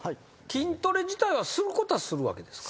筋トレ自体はすることはするわけですか？